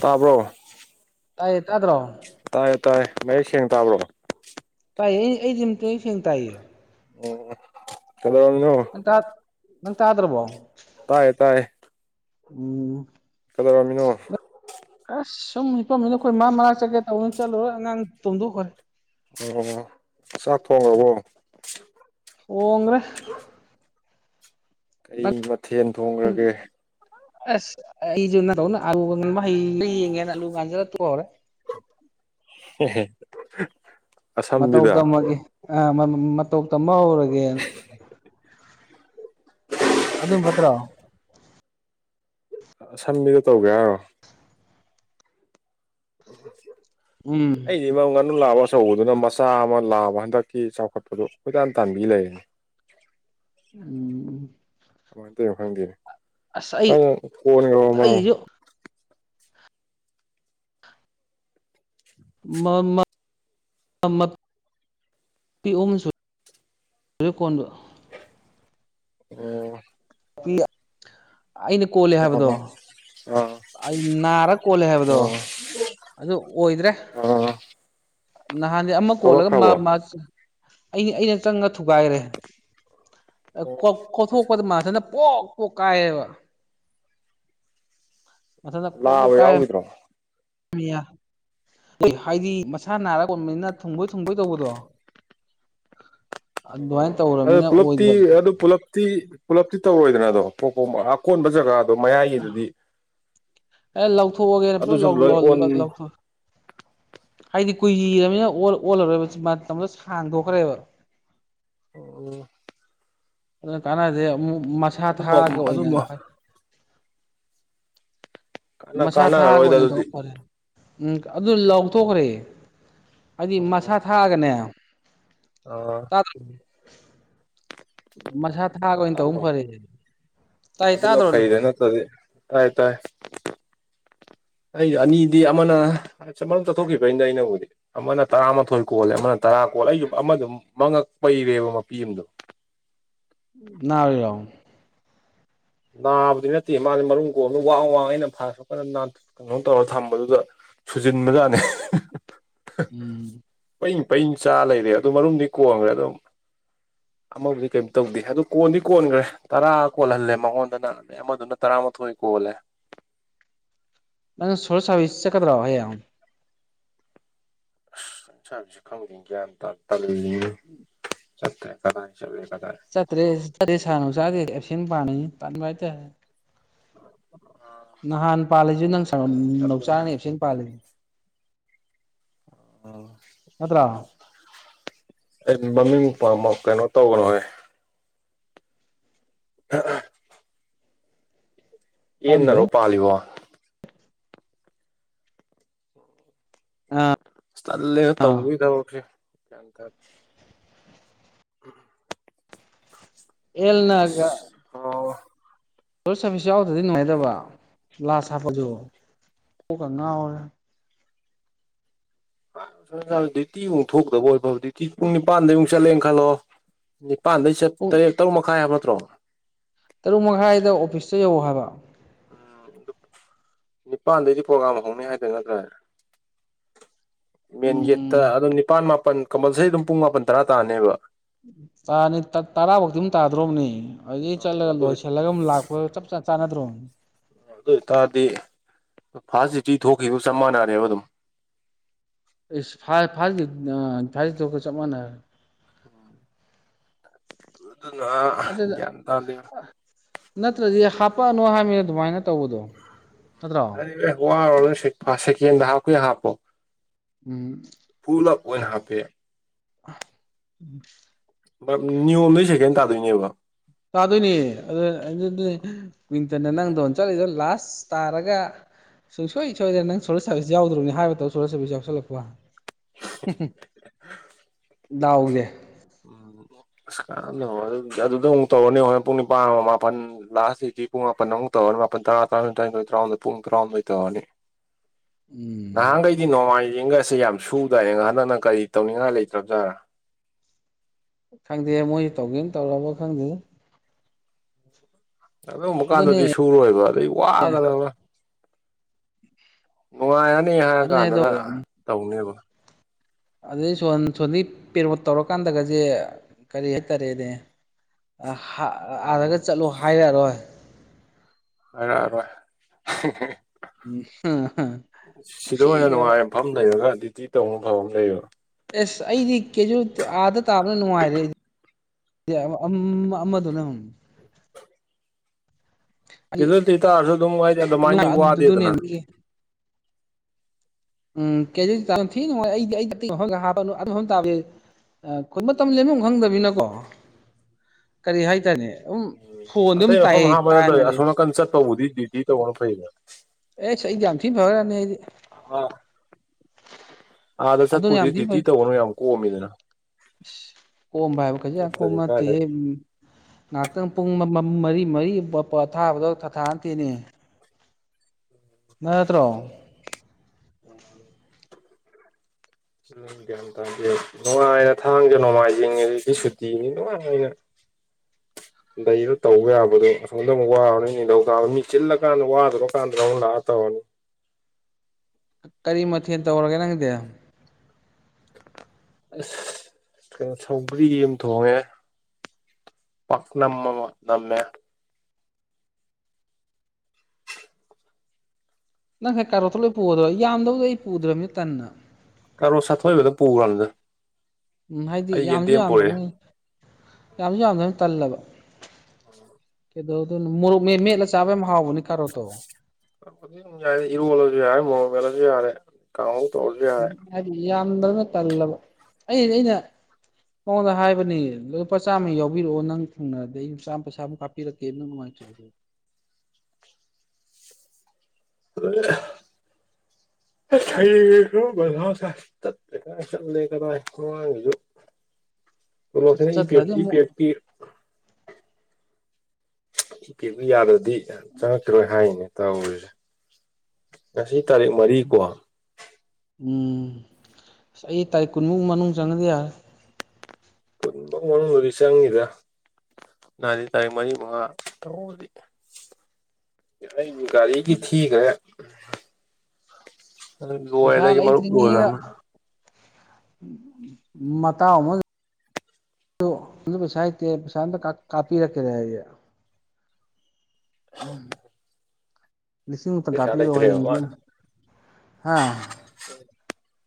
ꯇꯥꯕ꯭ꯔꯣ ꯇꯥꯏꯌꯦ ꯇꯗ꯭ꯔꯣ ꯇꯥꯏꯌꯦ ꯇꯥꯏꯌꯦ ꯃꯌꯦꯛ ꯁꯦꯡꯅ ꯇꯥꯕ꯭ꯔꯣ ꯇꯥꯏꯌꯦ ꯑꯩꯗꯤ ꯑꯗꯨꯝ ꯃꯌꯦꯛ ꯁꯦꯡꯅ ꯇꯥꯏꯌꯦ ꯑꯣ ꯑꯣ ꯀꯩꯗꯧꯔꯝꯃꯤꯅꯣ ꯇꯥ ꯅꯪ ꯇꯥꯗ꯭ꯔꯕꯣ ꯇꯥꯏꯌꯦ ꯇꯥꯏꯌꯦ ꯎꯝ ꯀꯗꯧꯔꯝꯃꯤꯅꯣ ꯑꯁ ꯁꯨꯝ ꯍꯤꯞꯄꯝꯕꯅꯤ ꯑꯩꯈꯣꯏ ꯃꯥ ꯃꯅꯥꯛ ꯆꯠꯀꯦ ꯇꯧꯕꯅꯤ ꯆꯠꯂꯔꯣꯏ ꯑꯉꯥꯡ ꯇꯣꯡꯗꯣꯛ ꯈꯣꯏ ꯑꯣ ꯆꯥꯛ ꯊꯣꯡꯉꯕꯣ ꯊ‌ꯣꯡꯈꯔꯦ ꯀꯔꯤ ꯃꯊꯦꯜ ꯊꯣꯡꯈ꯭ꯔꯒꯦ ꯑꯁ ꯑꯩꯁꯨ ꯅꯪꯗꯧꯅ ꯑꯂꯨꯒ ꯉꯥꯟꯕ ꯍꯩꯕ꯭ꯔ ꯌꯦꯡꯒꯦꯅ ꯑꯂꯨ ꯉꯥꯟꯖꯜꯂ ꯇ‌ꯣꯛꯈꯔꯦ ꯍꯦ ꯍꯦ ꯃꯇꯧ ꯇꯝꯃꯒꯦ ꯑ ꯃꯇꯧ ꯇꯝꯕ ꯍꯧꯔꯒꯦꯅ ꯑꯗꯨ ꯐꯠꯇ꯭ꯔꯣ ꯑꯁꯝꯕꯤꯗ ꯇꯧꯒꯦ ꯍꯥꯏꯔꯣ [unintelligible] ꯎꯝ ꯁꯤ ꯃꯔꯨꯡ ꯉꯥꯅꯨ ꯂꯥꯕ ꯑꯆꯧꯕꯗꯨꯅ ꯃꯆꯥ ꯑꯃ ꯂꯥꯕ ꯍꯟꯗꯛꯀꯤ ꯆꯥꯎꯈꯠꯄꯗꯨ ꯀꯣꯏꯇꯥꯟ ꯇꯥꯟꯕꯤ ꯂꯩꯔꯦ ꯎꯝ ꯀꯃꯥꯏ ꯇꯩꯅꯣ ꯈꯪꯗꯦ ꯑꯁ ꯑꯩ ꯅꯪ ꯐꯣꯟ ꯌꯧꯔꯃꯣ ꯑꯩꯁꯨ ꯃꯃꯥ ꯑꯃꯛ ꯄꯤ ꯑꯍꯨꯝ ꯁꯨꯏ ꯂꯣꯏ ꯀꯣꯟꯕ ꯑꯣ [unintelligible] ꯑꯩꯅ ꯀꯣꯜꯂꯦ ꯍꯥꯏꯕꯗꯣ ꯑꯣ ꯑꯥ ꯑꯩ ꯅꯥꯔ ꯀꯣꯜꯂꯦ ꯍꯥꯏꯕꯗꯣ ꯑꯥ ꯑꯗꯨ ꯑꯣꯏꯗ꯭ꯔꯦ ꯑꯥ ꯅꯍꯥꯟꯗꯤ ꯑꯃ ꯀꯣꯜꯂꯒ ꯃꯥ ꯊꯣꯛꯂꯛꯈ꯭ꯔꯕꯣ ꯃꯥ ꯑꯩ ꯑꯩꯅ ꯆꯪꯉ ꯊꯨꯒꯥꯏꯔꯦ ꯑ ꯑꯣ ꯈꯣꯠ ꯈꯣꯠ ꯊꯣꯛꯄꯗ ꯃꯥꯊꯟꯗ ꯄꯣꯛ ꯄꯣꯛ ꯀꯥꯏꯑꯦꯕ ꯃꯊꯟꯅ ꯄꯣꯛ ꯄꯣꯛ ꯂꯥꯕ ꯀꯥꯏꯔꯝ ꯌꯥꯎꯈꯤꯗ꯭ꯔꯣ ꯃꯤꯌꯥ ꯍꯥꯏꯗꯤ ꯃꯁꯥ ꯅꯥꯔꯒꯣꯟꯕꯅꯤꯅ ꯊꯨꯡꯕꯣꯏ ꯊꯨꯡꯕꯣꯏ ꯇꯧꯕꯗꯣ ꯑꯗꯨꯃꯥꯏꯅ ꯑꯣ ꯑꯗꯨ ꯇꯧꯔꯕꯅꯤꯅ ꯄꯨꯂꯞꯇꯤ ꯑꯣꯏꯗ꯭ꯔꯕ ꯑꯗꯨ ꯄꯨꯂꯞ ꯇꯤ ꯄꯨꯂꯞꯇꯤ ꯇꯧꯔꯣꯏꯗꯅ ꯑꯗꯣ ꯄꯣꯛꯄꯝ ꯑꯀꯣꯟꯕ ꯖꯒꯥꯗꯣ ꯃꯌꯥꯏꯒꯤꯗꯨꯗꯤ ꯑꯦ ꯂꯧꯊꯣꯛꯑꯒꯦꯅ ꯑꯗꯨꯁꯨ ꯄꯨꯂꯞ ꯂꯣꯏ ꯂꯧ ꯑꯣꯟ ꯂꯧ ꯂꯧꯊꯣꯛ ꯍꯥꯏꯗꯤ ꯀꯨꯏꯔꯝꯅꯤꯅ ꯑꯣꯜ ꯑꯣꯜꯂꯔꯣꯏꯕ ꯃꯇꯝꯗꯣ ꯁꯥꯡꯗꯣꯛꯈ꯭ꯔꯦꯕ ꯑꯣ ꯑꯣ ꯑꯗꯨꯅ ꯀꯥꯟꯅꯗꯦ ꯑꯃꯨꯛ ꯃꯁꯥ ꯑꯗꯨꯝꯕ ꯊꯥꯛꯑꯒ ꯑꯣꯏꯅ ꯑꯗꯨꯝꯕ ꯀꯥꯟꯅ ꯃꯁꯥ ꯊꯥꯑꯒ ꯀꯥꯟꯅꯔꯔꯣꯏꯗ ꯑꯣꯏꯅ ꯇꯧ ꯑꯗꯨꯗꯤ ꯐꯔꯦ ꯎꯝ ꯑꯗꯨ ꯂꯧꯊꯣꯛꯈ꯭ꯔꯦ ꯍꯥꯏꯗꯤ ꯃꯁꯥ ꯊꯥꯛꯑꯒꯅꯦ ꯑꯣ ꯇꯗꯔꯣ ꯃꯁꯥ ꯊꯥꯛꯑꯒ ꯑꯣꯏꯅ ꯇꯧ ꯇꯥꯕ꯭ꯔꯣ ꯐꯔꯦꯅꯦ ꯇꯥꯏ ꯇꯥꯗ꯭ꯔꯣ ꯅꯪ ꯗꯤ ꯇꯥꯏ ꯇꯥꯏ ꯑꯩ ꯑꯅꯤꯗꯤ ꯑꯃꯅ ꯆ ꯃꯔꯨꯝ ꯆꯊꯣꯛꯈꯤꯕꯩꯅꯦ ꯑꯩꯅꯕꯨꯗꯤ ꯑꯃꯅ ꯇꯔꯥꯃꯥꯊꯣꯏ ꯀꯣꯜꯂꯦ ꯑꯃꯅ ꯇꯔꯥ ꯀꯣꯜ ꯑꯩꯒꯤ ꯑꯃꯗꯨ ꯃꯉꯛ ꯄꯩꯔꯦꯕ ꯃꯄꯤ ꯑꯃꯗꯣ ꯅꯥꯔꯤꯔꯣ ꯅꯥꯕꯗꯤ ꯅꯠꯇꯦ ꯃꯥꯖꯦ ꯃꯔꯨꯝ ꯀꯣꯟꯕꯗ ꯋꯥꯡ ꯋꯥꯡ ꯑꯩꯅ ꯐꯥ ꯁꯣꯛ ꯀꯟꯅ ꯀꯩꯅꯣ ꯇꯧꯔ ꯊꯝꯕꯗꯨꯗ ꯁꯨꯖꯤꯟꯕ ꯖꯥꯠꯅꯦ ꯎꯝ ꯄꯌꯤꯡ ꯄꯌꯤꯡ ꯆꯥ ꯂꯩꯔꯦ ꯑꯗꯨ ꯃꯔꯨꯝꯗꯤ ꯀꯣꯡꯒ꯭ꯔꯦ ꯑꯗꯨꯝ ꯑꯃꯕꯨꯗꯤ ꯀꯩꯝ ꯇꯧꯗꯦ ꯑꯗꯨ ꯀꯣꯟꯗꯤ ꯀꯣꯟꯒ꯭ꯔꯦ ꯇꯔꯥ ꯀꯣꯜꯍꯜꯂꯦ ꯃꯉꯣꯟꯗꯅ ꯑꯦ ꯑꯃꯗꯨꯅ ꯇꯔꯥꯃꯥꯊꯣꯏ ꯀꯣꯜꯂꯦ ꯅꯪ ꯁꯣꯜ ꯁꯕꯤꯁ ꯆꯠꯀꯗ꯭ꯔꯣ ꯍꯩꯌꯦꯡ ꯑꯁ ꯏꯁꯥꯖꯤꯁꯨ ꯈꯪꯕꯗꯦ ꯒ꯭ꯌꯥꯟ ꯇꯥ ꯇꯜꯂꯤꯅꯦ ꯆꯠꯇ꯭ꯔꯦ ꯀꯗꯥꯏ ꯆꯠꯂꯦ ꯀꯗꯥꯏ ꯆꯠꯇ꯭ꯔꯦ ꯆꯠꯇꯦ ꯁꯥꯔ ꯅꯥꯎꯆꯥꯒꯤ ꯑꯦꯞꯁꯦꯟ ꯄꯥꯟꯅꯅꯤ ꯇꯟꯕ ꯍꯥꯏꯇꯥꯔꯦ ꯅꯍꯥꯟ ꯄꯥꯜꯂꯤꯖꯤ ꯅꯪ ꯁꯥꯎꯟ ꯅꯧꯆꯥꯥꯅ ꯑꯦꯕꯁꯦꯟ ꯄꯥꯜꯂꯤ ꯅꯠꯇ꯭ꯔꯣ ꯑꯥ ꯑꯩ ꯃꯃꯤꯡ ꯄꯥꯃ ꯀꯩꯅꯣ ꯇꯧꯒꯅꯣꯍꯦ ꯑ ꯑꯍ ꯌꯦꯟꯅꯔꯣ ꯀꯥꯎꯔꯝꯒꯤꯔꯣꯏ ꯄꯥꯜꯂꯤꯕꯣ ꯑꯥ ꯑꯁ ꯇꯜꯂꯦꯗ ꯑꯥ ꯇꯧꯗꯣꯏ ꯊꯕꯛꯁꯦ ꯎꯝ ꯍꯦꯜꯅꯒ ꯑꯣ ꯗꯣ ꯁꯥꯔꯚꯤꯁ ꯌꯥꯎꯗ꯭ꯔꯗꯤ ꯅꯨꯡꯉꯥꯏꯗꯕ ꯂꯥꯁ ꯍꯥꯞꯄꯖꯨ ꯀꯣꯛꯀ ꯉꯥꯎꯔꯦ [unintelligible] ꯗꯤ ꯇꯤ ꯑꯃꯨꯛ ꯊꯣꯛꯀꯗꯧꯕ ꯑꯣꯏ ꯐꯕꯗꯤꯇꯤ ꯄꯨꯡ ꯅꯤꯄꯥꯟꯗꯩ ꯑꯃꯨꯛ ꯆꯠꯂꯦ ꯈꯜꯂꯣ ꯅꯤꯄꯥꯟꯗꯩ ꯆꯠ ꯄꯨꯡ ꯇꯔꯦꯠ ꯇꯔꯨꯛ ꯃꯈꯥꯏ ꯍꯥꯏꯕ ꯅꯠꯇ꯭ꯔꯣ ꯇꯔꯨꯛ ꯃꯈꯥꯏꯗ ꯑꯣꯐꯤꯁꯇ ꯌꯧ ꯍꯥꯏꯕ꯫ ꯎꯝ ꯑꯗꯨ ꯅꯤꯄꯜꯗꯩꯗꯤ ꯄ꯭ꯔꯣꯒꯥꯝ ꯍꯧꯅꯤ ꯍꯥꯏꯗ ꯅꯠꯇ꯭ꯔꯥ꯫ ꯃꯦꯟ ꯎꯝ ꯒꯦꯠꯇ ꯑꯗꯨꯝ ꯅꯤꯄꯥꯜ ꯃꯥꯄꯜ ꯀꯝꯄꯜꯁꯔꯤ ꯑꯗꯨꯝ ꯄꯨꯡ ꯃꯥꯄꯜ ꯇꯔꯥ ꯇꯥꯅꯦꯕ꯫ ꯇꯥꯅꯤ ꯇ ꯇꯔꯥ ꯕꯣꯛꯇꯤ ꯑꯗꯨꯝ ꯇꯥꯗ꯭ꯔꯣꯕꯅꯦ ꯑꯗꯨꯗꯒꯤ ꯑ ꯆꯠꯂꯒ ꯑꯗꯨ ꯑꯗꯨ ꯂꯣꯏꯁꯤꯜꯂꯒ ꯑꯃꯝ ꯂꯥꯛ꯫ ꯍꯣꯏ ꯆꯞ ꯆꯞ ꯆꯥꯟꯅꯗ꯭ꯔꯣ꯫ ꯑꯗꯨ ꯑꯣꯏꯇꯥꯔꯗꯤ ꯐꯥꯔꯁ ꯗ꯭ꯌꯨꯇꯤ ꯊꯣꯛꯈꯤꯕ ꯆꯞ ꯃꯥꯟꯅꯔꯦꯕ ꯑꯗꯨꯝ꯫ ꯐꯥꯔ ꯐꯥ ꯇꯣꯛꯒ ꯆꯞ ꯃꯥꯟꯅꯔꯦ꯫ ꯑꯗꯨꯅ ꯑꯗꯨꯗ ꯒ꯭ꯌꯥꯟ ꯇꯥꯗꯦ ꯅꯠꯇ꯭ꯔꯗꯤ ꯍꯥꯄꯛꯑꯅꯣ ꯍꯥꯏꯃꯤ ꯑꯗꯨꯃꯥꯏꯅ ꯇꯧꯕꯗꯣ꯫ ꯅꯠꯇ꯭ꯔꯣ ꯋꯥꯔꯣꯅꯣ ꯁꯦꯀꯦꯟꯗ ꯍꯥꯞꯀꯦ ꯍꯥꯞꯄꯣ꯫ ꯎꯝ꯫ ꯄꯨꯂꯞ ꯑꯣꯏꯅ ꯍꯥꯞꯄꯦ꯫ [inaudible] ꯅꯤꯌꯣꯝꯗꯣꯏ ꯁꯦꯀꯦꯟ ꯇꯥꯗꯣꯏꯅꯦꯕ꯫ ꯇꯥꯗꯣꯏꯅꯦ ꯑꯗꯨ ꯑꯗꯨ ꯀꯋꯤꯟꯇꯔꯅ ꯅꯪꯗꯧ ꯆꯠꯂꯤꯗ ꯂꯥꯁ ꯇꯥꯔꯒ꯫ ꯁꯨꯡꯁꯣꯏ ꯁꯣꯏꯦ ꯅꯪ ꯁꯣꯂꯔ ꯁꯥꯔꯚꯤꯁ ꯌꯥꯎꯗ꯭ꯔꯕꯅꯤ ꯍꯥꯏꯕ ꯃꯇꯝꯧ ꯁꯣꯂꯔ ꯁꯥꯔꯚꯤꯁ ꯌꯥꯎꯁꯜꯂꯛꯄ꯫ ꯗꯥꯎꯁꯦ꯫ ꯎꯝ ꯑꯁ ꯀꯥꯟꯗ ꯋꯥꯅꯤ ꯑꯗꯨꯗ ꯑꯃꯨꯛ ꯇꯧꯔꯅꯤ ꯍꯣꯔꯦꯟ ꯄꯨꯡ ꯅꯤꯄꯥꯟ ꯃꯥꯄꯟ꯫ ꯂꯥꯁ ꯗꯤꯇꯤ ꯄꯨꯡ ꯃꯥꯄꯟ ꯅꯛ ꯇꯧꯔꯅꯤ ꯇꯥꯥ ꯄꯨꯡ ꯇꯔꯥꯍꯨꯝꯗꯣꯏ ꯇꯧꯔꯅꯤ꯫ ꯎꯝ꯫ ꯅꯍꯥꯟꯈꯩꯗꯤ ꯅꯣꯡꯃꯥꯏꯖꯤꯡꯒꯁꯦ ꯌꯥꯝ ꯁꯨꯗꯏꯌꯦꯉ ꯍꯟꯗꯛꯅ ꯀꯔꯤ ꯇꯧꯅꯤꯡꯉꯥꯏ ꯂꯩꯇ꯭ꯔꯕꯖꯥꯠꯔꯥ꯫ ꯈꯪꯗꯦ ꯃꯣꯏꯁ ꯇꯧꯒꯦꯅ ꯇꯧꯔꯕ ꯈꯪꯗꯦꯗ꯫ ꯑꯗꯨꯒꯨꯝꯕ ꯑꯗꯨꯅꯦ ꯀꯥꯟꯗꯗꯤ ꯁꯨꯔꯣꯏꯕ ꯑꯗꯩ ꯋꯥꯒꯗꯕ꯫ ꯅꯨꯡꯉꯥꯏꯔꯅꯤ ꯍꯥꯏꯔ ꯑꯗꯨꯅꯦ ꯑꯗꯣ ꯀꯥꯟꯗꯅ ꯇꯧꯅꯦꯕ꯫ ꯑꯗꯨꯗꯩ ꯁꯣ ꯁꯣꯒꯤ ꯄꯦꯔꯣꯠ ꯇꯧꯔꯀꯥꯟꯗꯒꯁꯦ ꯀꯔꯤ ꯍꯥꯏꯇꯥꯔꯦꯅꯦ꯫ ꯑꯥꯗꯒ ꯎꯝ ꯆꯠꯂꯣ ꯍꯥꯏꯔꯛꯑꯔꯣꯏ꯫ ꯍꯥꯏꯔꯛꯑꯔꯣꯏ꯫ ꯎꯝ ꯁꯤꯗ ꯑꯣꯏꯅ ꯅꯨꯡꯁꯤꯈ꯭ꯔꯕ ꯅꯨꯡꯉꯥꯏꯐꯝ ꯂꯩꯔꯒ ꯗ꯭ꯌꯨꯇꯤ ꯇꯧꯕꯐꯝ ꯐ ꯑꯃ ꯂꯩꯕ꯫ ꯑꯦꯁ ꯑꯩꯗꯤ ꯀꯦꯖ ꯑꯥꯗ ꯇꯥꯕꯅ ꯅꯨꯡꯉꯥꯏꯔꯦ ꯑꯩꯗꯤ꯫ ꯑꯃꯗꯨꯅ꯫ ꯇꯥꯥꯔꯁꯨ ꯑꯗꯨꯝ ꯍꯥꯏꯗꯤ ꯑꯗꯨꯃꯥꯏꯗꯤ ꯑꯗꯨꯅꯦ ꯋꯥꯗꯦꯗꯅ꯫ ꯎꯝ ꯀꯦꯖꯤꯗꯤ ꯇꯔꯥꯨꯊꯤ ꯅꯨꯡꯉꯥꯏ ꯑꯩꯗꯤ ꯑꯩꯗꯤꯇꯩꯍꯒ ꯍꯥꯞꯄꯅꯣ ꯑꯗꯨ ꯇꯥꯕꯦ꯫ ꯑꯩꯈꯣꯏ ꯃꯇꯝ ꯂꯦꯝꯐꯝ ꯈꯪꯗꯕꯅꯤꯅꯀꯣ ꯀꯔꯤ ꯍꯥꯏꯇꯥꯔꯦꯅꯦ ꯎꯝ꯫ ꯑꯇꯩ ꯃꯐꯝ ꯍꯥꯝꯕ ꯅꯠꯇꯦ ꯑꯁꯣꯝꯅꯥꯀꯟ ꯆꯠꯄ ꯕꯨꯗꯤ ꯗ꯭ꯌꯨꯇꯤ ꯇꯧꯕꯅ ꯐꯩꯗ꯫ ꯑꯦꯁ ꯑꯩ ꯌꯥꯝ ꯊꯤ ꯐꯈ꯭ꯔꯖꯥꯠꯅꯤ ꯑꯩꯗꯤ꯫ ꯑ꯫ ꯑꯥꯗ ꯑꯗꯨꯅ ꯌꯥꯝ ꯆꯠꯄꯨꯗꯤ ꯗ꯭ꯌꯨꯇꯤ ꯇꯧꯕꯅ ꯌꯥꯝ ꯀꯣꯝꯃꯤꯗꯅ꯫ ꯀꯣꯝꯝꯕ ꯍꯥꯏꯕ ꯀꯩꯁꯨ ꯌꯥꯝ ꯀꯣꯝꯕ ꯅꯠꯇ꯭ꯔꯗꯤ ꯅꯠꯇꯦꯍꯦ꯫ ꯀꯥꯏꯗꯩ ꯉꯥꯏꯍꯥꯛꯇꯪ ꯄꯨꯡ ꯃꯔꯤ ꯃꯔꯤ ꯊꯥꯕꯗꯣ ꯊꯥ ꯊꯥꯠꯇꯦꯅꯦ꯫ ꯅꯠꯇ꯭ꯔꯣ꯫ ꯎꯝ꯫ ꯎꯝ [unintelligible] [unintelligible] ꯅꯨꯡꯉꯥꯏꯅ ꯊꯥꯡꯁꯦ ꯅꯣꯡꯃꯥꯏꯖꯤꯡ ꯑꯗꯨꯗꯤ ꯁꯨꯇꯤꯅꯤ ꯅꯨꯡꯉꯥꯏꯅ꯫ [inaudible] ꯂꯩꯔ ꯇꯧꯕ ꯌꯥꯕꯗꯣ ꯑꯁꯣꯝꯗ ꯑꯃꯛ ꯋꯥꯔꯅꯤ ꯅꯤꯡꯊꯧ ꯀꯥꯕ ꯃꯤ ꯆꯤꯜꯂꯀꯥꯟꯗ ꯋꯥꯗꯔꯀꯥꯟꯗ ꯑꯃꯨꯛ ꯂꯥꯛꯑ ꯇꯧꯔꯅꯤ꯫ ꯀꯔꯤ ꯃꯊꯦꯜ ꯇꯧꯔꯒꯦ ꯅꯪꯒꯤꯗꯤ꯫ ꯑꯁ ꯀꯩꯅꯣ ꯁꯧꯒ꯭ꯔꯤ ꯑꯃ ꯊꯣꯡꯉꯦ꯫ ꯄꯛꯅꯃ ꯑꯃ ꯅꯝꯃꯦ꯫ ꯅꯪ ꯉꯥꯁꯥꯏ ꯀꯥꯔꯣꯇ ꯂꯣꯏ ꯄꯨꯗ꯭ꯔꯣ ꯌꯥꯝꯗꯕꯗꯤ ꯑꯩ ꯄꯨꯗ꯭ꯔꯕꯅꯤ ꯇꯟꯗꯅ꯫ ꯀꯔꯣꯠ ꯁꯥꯠꯊꯣꯕꯗ ꯄꯨꯒꯔꯃꯤꯗ꯫ ꯎꯝ ꯍꯥꯏꯗꯤ ꯌꯥꯝꯁꯨ ꯌꯥꯝꯗ꯭ꯔꯕꯅꯤ ꯌꯥꯝꯁꯨ ꯌꯥꯝꯗ꯭ꯔꯕꯅꯤ ꯇꯜꯂꯕ꯫ [unintelligible] ꯀꯩꯗꯧꯗꯣꯏ ꯃꯣꯔꯣꯛ ꯃꯦꯠ ꯃꯦꯠꯂ ꯆꯥꯕ ꯌꯥꯝ ꯍꯥꯎꯕꯅꯦ ꯀꯥꯔꯣꯠꯇꯣ ꯌꯥꯏ ꯏꯔꯣꯜꯂꯁꯨ ꯌꯥꯔꯦ ꯃꯣꯡ ꯃꯦꯠꯂꯁꯨ ꯌꯥꯔꯦ ꯀꯥꯡꯉꯧ ꯇꯧꯔꯁꯨ ꯌꯥꯔꯦ ꯎꯝ ꯍꯥꯏꯗꯤ ꯌꯥꯝꯗ꯭ꯔꯝꯅ ꯇꯜꯂꯕ ꯑꯩꯗꯤ ꯑꯩꯅ ꯃꯉꯣꯟꯗ ꯍꯥꯏꯕꯅꯤ ꯂꯨꯄꯥ ꯆꯥꯝꯃ ꯌꯥꯎꯕꯤꯔꯛꯑꯣ ꯅꯪ ꯐꯪꯅꯔꯗꯤ ꯑꯩ ꯆꯥꯝ ꯄꯩꯁꯥꯃꯨꯛ ꯀꯞꯄꯤꯔꯛꯀꯦ ꯅꯪ ꯅꯨꯡꯉꯥꯏ [unintelligible] [unintelligible] ꯍꯥꯌꯦꯡꯒꯤꯁꯨ ꯃꯊꯥ ꯁꯥꯏ [unintelligible] ꯇꯣꯂꯣꯞ ꯇꯥꯒ ꯏ ꯆꯠꯇ꯭ꯔꯗꯤ ꯑꯃꯨꯛ [unintelligible] [unintelligible] ꯌꯥꯗ꯭ꯔꯗꯤ ꯆꯪꯉꯛꯈꯤꯔꯣꯏ ꯍꯥꯏꯅꯦ ꯇꯧꯔꯤꯁꯦ ꯉꯁꯤ ꯇꯥꯔꯤꯛ ꯃꯔꯤ ꯀꯣ ꯎꯝ ꯑꯁ ꯑꯩ ꯇꯥꯔꯤꯛ ꯀꯨꯟꯃꯨꯛ ꯃꯅꯨꯡ ꯆꯪꯉꯗꯤ ꯌꯥꯔꯦ ꯀꯨꯕꯧ ꯃꯅꯨꯡꯗꯗꯤ ꯆꯪꯅꯤꯗ ꯅꯍꯥꯟꯗꯤ ꯇꯥꯔꯤꯛ ꯃꯔꯤ ꯃꯉꯥ ꯇꯧꯂꯩ ꯑꯩꯒꯤ ꯒꯥꯔꯤꯒꯤ ꯊꯤꯒꯔꯦ ꯂꯣꯏꯔꯦꯗ ꯄꯩꯁꯥ ꯑꯩꯒꯤ ꯃꯔꯨꯞ ꯂꯩꯇ꯭ꯔꯤꯉꯩꯗ ꯂꯣꯏꯔꯝꯅꯤꯅ ꯃꯇꯥꯎ ꯑꯃꯥ ꯗꯣ ꯄꯩꯁꯥ ꯂꯩꯇꯦ ꯄꯩꯁꯥ ꯑꯝꯇ ꯀꯥꯄꯤꯔꯛꯀꯦꯔꯌꯦ ꯂꯤꯁꯤꯡ ꯑꯝꯇ ꯄꯩꯁꯥ ꯀꯥꯞꯄꯤꯔꯣ ꯂꯩꯇ꯭ꯔꯦꯕ ꯍꯥꯌꯦꯡꯗꯤ ꯃꯥꯅ ꯍꯥ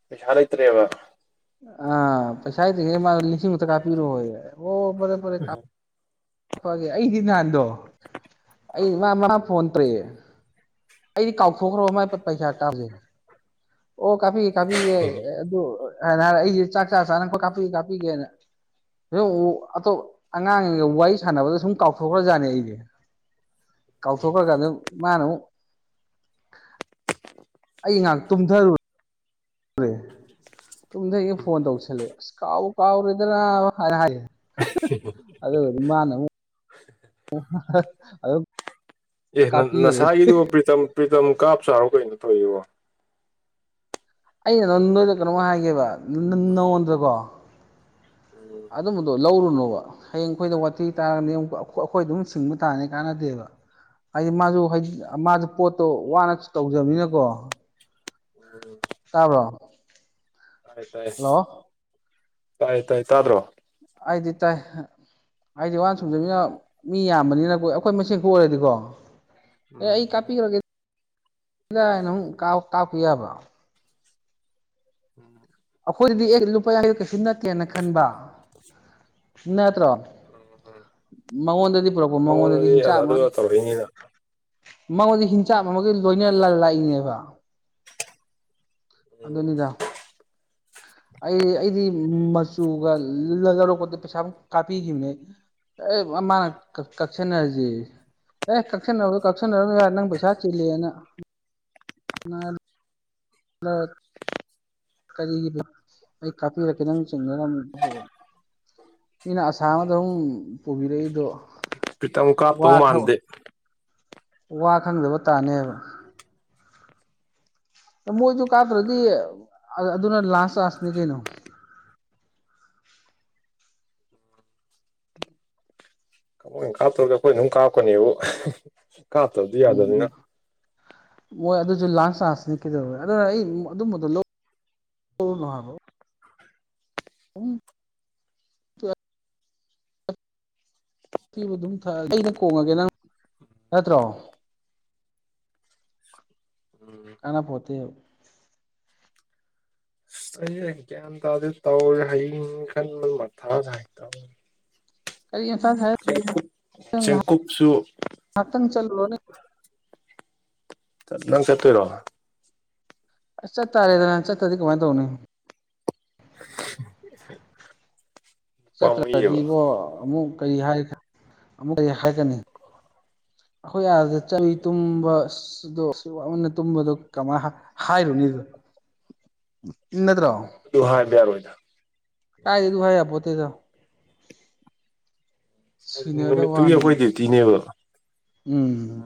ꯄꯩꯁꯥ ꯂꯩꯇ꯭ꯔꯦꯕ ꯑꯥ ꯄꯩꯁꯥ ꯂꯩꯇꯔꯤꯉꯩꯁꯤꯗ ꯃꯥꯗꯣ ꯂꯤꯁꯤꯡ ꯃꯨꯛꯇꯥ ꯀꯥꯞꯄꯤꯔꯣꯌꯦ ꯍꯣ ꯐꯔꯦ ꯐꯔꯦ [unintelligible] [unintelligible] ꯑꯩꯗꯤ ꯅꯍꯥꯟꯗꯣ ꯑꯩ ꯎꯝ ꯃꯥ ꯃꯥ ꯐꯣꯟ ꯇꯦ꯭ꯔ ꯑꯩꯗꯤ ꯀꯥꯎꯊꯣꯛꯈ꯭ꯔꯕ ꯃꯥꯏ ꯄꯩ ꯄꯩꯁꯥ ꯀꯥꯞꯁꯦ ꯑꯣ ꯀꯥꯄꯤ ꯀꯥꯄꯤꯒꯦ ꯑꯗꯨ ꯍꯥꯏꯅ ꯍꯥꯏꯔ ꯑꯩꯁꯦ ꯆꯥꯛ ꯆꯥ ꯆꯥꯅ ꯀꯥꯞꯄꯤ ꯀꯥꯞꯄꯤꯒꯦꯅ [unintelligible] ꯑꯇꯣꯞ ꯑꯉꯥꯡ ꯋꯥꯔꯤ ꯁꯥꯟꯅꯕꯗ ꯁꯨꯝ ꯀꯥꯎꯊꯣꯛꯈ꯭ꯔꯖꯥꯠꯅꯦ ꯑꯩꯗꯤ ꯀꯥꯎꯊꯣꯛꯈ꯭ꯔꯒꯗꯨꯝ ꯃꯥꯅ ꯑꯃꯨꯛ ꯑꯩ ꯉꯥꯏꯍꯥꯛ ꯇꯨꯝꯊꯔꯨꯔꯦ ꯇꯨꯝꯗꯩꯉꯩ ꯐꯣꯟ ꯎꯝ ꯇꯧꯁꯜꯂꯦ ꯑꯁ ꯀꯥꯎ ꯀꯥꯎꯔꯦꯗ ꯅꯥꯕ ꯍꯥꯏꯔ ꯍꯥꯏ [unintelligible] ꯑꯗꯨꯒꯗꯤ ꯃꯥꯅ ꯑꯃꯨꯛ [unintelligible] ꯑꯦ ꯀꯥꯞꯄꯤꯈꯔꯦ ꯅꯁꯥꯏꯒꯤꯗꯨ ꯄ꯭ꯔꯤꯇꯝ ꯄ꯭ꯔꯤꯇꯝ ꯀꯥꯞ ꯆꯥꯔꯣ ꯀꯩꯅꯣ ꯊꯧꯏꯖꯤꯕꯣ ꯑꯩꯅ ꯅ ꯅꯣꯏꯗ ꯀꯩꯅꯣꯝ ꯍꯥꯏꯒꯦꯕ ꯅ ꯅꯉꯣꯟꯗꯀꯣ ꯎꯝ ꯑꯗꯨꯝꯕꯗꯣ ꯂꯧꯔꯨꯅꯣꯕ ꯍꯌꯦꯡ ꯑꯩꯈꯣꯏꯗ ꯋꯥꯊꯤ ꯇꯥꯔꯅꯤ ꯑꯩꯈꯣꯏ ꯑꯗꯨꯝ ꯁꯤꯡꯕ ꯇꯥꯅꯤ ꯀꯥꯟꯅꯗꯦꯕ ꯍꯥꯏꯗꯤ ꯃꯥꯁꯨ ꯍꯥꯏꯗꯤ ꯃꯥꯁꯨ ꯄꯣꯠꯇꯣ ꯋꯥꯅꯁꯨ ꯇꯧꯖꯕꯅꯤꯅꯀꯣ ꯎꯝ ꯇꯥꯕ꯭ꯔꯣ ꯇꯥꯏ ꯇꯥꯏ ꯍꯜꯂꯣ ꯇꯥꯏ ꯇꯥꯏ ꯇꯥꯗ꯭ꯔꯣ ꯑꯩꯗꯤ ꯇꯥꯏ ꯑꯩꯗꯤ ꯋꯥ ꯎꯝ [unintelligible] ꯃꯤ ꯌꯥꯝꯕꯅꯤꯅꯀꯣꯏ ꯑꯩꯈꯣꯏ ꯃꯦꯟ ꯈꯛ ꯑꯣꯏꯔꯗꯤꯀꯣ ꯎꯝ ꯑꯦ ꯑꯩ ꯀꯥꯞꯄꯤꯈ꯭ꯔꯒꯦ [unintelligible] ꯅꯪ ꯀꯥꯞ ꯀꯥꯞꯈꯤ ꯌꯥꯕ ꯎꯝ ꯑꯩꯈꯣꯏꯗꯗꯤ ꯑꯦ ꯂꯨꯄꯥ ꯌꯥꯡꯈꯩꯗꯣ ꯀꯩꯁꯨ ꯅꯠꯇꯦꯅ ꯈꯟꯕ ꯅꯠꯇ꯭ꯔꯣ ꯎꯝ ꯃꯉꯣꯟꯗꯗꯤ ꯄꯨꯔꯛꯄ ꯃꯉꯣꯟꯗꯗꯤ ꯍꯤꯡꯆꯥꯞ ꯑꯗꯨꯒ ꯑꯃꯒꯤ ꯇꯧꯔꯛꯏꯅꯤꯅ ꯃꯉꯣꯟꯗ ꯍꯤꯡꯆꯥꯞ ꯑꯃꯒꯤ ꯂꯣꯏꯅ ꯂ ꯂꯥꯛꯏꯅꯦꯕ ꯎꯝ ꯑꯗꯨꯅꯤꯗ ꯑꯩ ꯑꯩꯗꯤ ꯃꯆꯨꯒ ꯂꯧꯔꯛꯄꯗ ꯄꯩꯁꯥꯃꯨꯛ ꯀꯥꯞꯄꯤꯈꯤꯕꯅꯦ ꯑꯩ ꯑꯦ ꯃꯥꯅ ꯀꯛ ꯀꯛꯁꯟꯅꯔꯖꯦꯌꯦ ꯑꯦ ꯀꯛꯁꯟꯅꯗꯣ ꯀꯛꯁꯤꯟꯅꯔꯅꯨ ꯅꯪ ꯄꯩꯁꯥ ꯆꯤꯜꯂꯤꯌꯦꯅ [unintelligible] [inaudible] ꯀꯔꯤꯒꯤꯅꯣ ꯑꯩ ꯀꯥꯞꯄꯤꯔꯛꯀꯦ ꯅꯪ ꯆꯤꯡꯅꯔꯝꯃꯤ ꯑꯩꯅ ꯑꯁꯥ ꯑꯃꯗ ꯑꯃꯝ ꯄꯨꯕꯤꯔꯛꯏꯗꯣ [unintelligible] ꯀꯥꯞꯇꯧ ꯋꯥ ꯃꯥꯟꯗꯦ ꯋꯥ ꯈꯪꯗꯕ ꯇꯥꯅꯦꯕ ꯑ ꯃꯣꯏꯗꯨ ꯀꯥꯞꯇ꯭ꯔꯗꯤ ꯑꯗꯨꯅ ꯂꯥꯁ ꯆꯥꯟꯁꯅꯤ ꯀꯩꯅꯣ ꯃꯣꯏꯅ ꯀꯥꯞꯇ꯭ꯔꯒ ꯈꯣꯏꯅ ꯑꯗꯨꯝ ꯀꯥꯞꯀꯅꯦꯕꯨ ꯀꯥꯞꯇꯕꯗꯤ ꯌꯥꯗꯕꯅꯤꯅ ꯑꯣ ꯑꯗꯨꯁꯨ ꯂꯥꯟ ꯆꯥꯟꯁꯅꯤ ꯀꯩꯗꯧꯔꯦ ꯑꯗꯨꯅ ꯑꯩ ꯑꯗꯨꯝꯕꯗꯣ ꯂꯧ ꯂꯧꯔꯨꯅꯨ ꯍꯥꯏꯕ [inaudible] ꯊꯤꯕ ꯑꯗꯨꯝ ꯊ ꯑꯩꯅ ꯀꯣꯡꯉꯒꯦ ꯅꯪ ꯅꯠꯇ꯭ꯔꯣ ꯎꯝ ꯀꯥꯟꯅ ꯄꯣꯠꯇꯦꯕ ꯑꯁ ꯑꯩꯁꯦ ꯒ꯭ꯌꯥꯟ ꯇꯥꯗꯤꯗ ꯇꯧꯔꯤ ꯍꯌꯦꯡꯒꯤ ꯈꯟꯕꯗ ꯃꯊꯥ ꯁꯥꯏ ꯇꯧꯔꯤꯁꯦ ꯀꯔꯤ ꯏꯝꯐꯥꯜ ꯁꯥꯏ ꯆꯦꯡꯀꯨꯞ ꯆꯦꯡꯀꯨꯞꯁꯨ ꯉꯥꯛꯇꯪ ꯆꯠꯂꯨꯔꯣꯅꯦ ꯅꯪ ꯆꯠꯇꯣꯏꯔꯣ ꯑꯁ ꯆꯠꯇꯔꯦꯗꯅ ꯆꯠꯇꯗꯤ ꯀꯃꯥꯏꯅ ꯇꯧꯅꯤ [inaudible] ꯆꯠꯇ꯭ꯔꯗꯤ ꯄꯥꯝꯃꯨꯏꯌꯦꯕ ꯏꯕꯣ ꯑꯃꯨꯛ ꯀꯔꯤ ꯍꯥꯏ ꯑꯃꯨꯛ ꯀꯔꯤ ꯍꯥꯏꯒꯅꯤ ꯑꯈꯣꯏ ꯑꯥꯗ ꯆꯂꯤ ꯇꯨꯝꯕ ꯑꯁ ꯑꯗꯣ ꯅ ꯇꯨꯝꯕꯗꯨ ꯀꯃꯥꯏꯅ ꯍꯥ ꯍꯥꯏꯔꯨꯅꯤꯗꯣ ꯅꯠꯇꯔꯣ ꯑꯗꯨ ꯍꯥꯏꯕ ꯌꯥꯔꯣꯏꯗ ꯀꯥꯏꯗꯩꯩ ꯎꯝ ꯑꯗꯨ ꯍꯥꯏ ꯌꯥꯄꯣꯠꯇꯦꯗ ꯍꯥꯏꯗꯤ ꯁꯤꯅꯗꯧꯕ ꯅꯨꯃꯤꯠꯇꯨꯒꯤ ꯑꯩꯈꯣꯏ ꯋꯥꯅꯤ ꯗ꯭ꯌꯨꯇꯤꯅꯦꯕ ꯎꯝ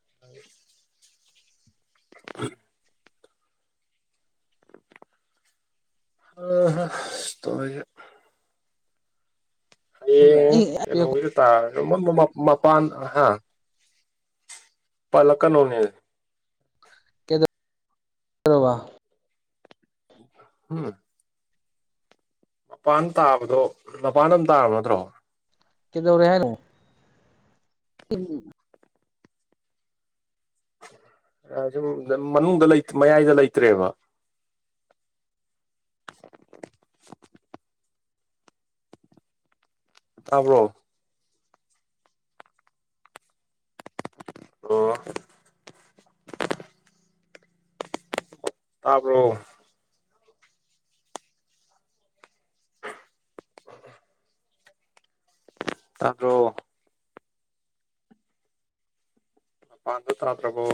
[inaudible] [inaudible] ꯇꯧꯔꯤꯖꯦ ꯍꯌꯦꯡ ꯑꯩ ꯀꯩꯅꯣꯗ ꯇꯥꯔꯒꯕ ꯃꯥ ꯃ ꯃꯄꯥꯟ ꯍꯥ ꯄꯜꯂꯛ ꯀꯅꯣꯃꯤ [inaudible] ꯍꯝ ꯃꯄꯥꯟ ꯇꯥꯕꯗꯣ ꯃꯄꯥꯟꯗ ꯑꯗꯨꯝ ꯇꯥꯔꯕ ꯅꯠꯇ꯭ꯔꯣ ꯀꯩꯗꯧꯔꯦ ꯍꯥꯏꯅꯣ [unintelligible] ꯁꯨꯝ ꯃꯅꯨꯡꯗ ꯂꯩꯠ ꯃꯌꯥꯏꯗ ꯂꯩꯇ꯭ꯔꯦꯕ ꯇꯥꯕ꯭ꯔꯣ ꯑꯣ ꯇꯥꯕ꯭ꯔꯣ [inaudible] ꯇꯥꯗ꯭ꯔꯣ ꯄꯥꯟꯗ ꯇꯥꯗ꯭ꯔꯕꯣ